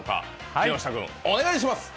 木下君、お願いします。